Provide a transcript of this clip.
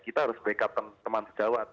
kita harus backup teman sejawat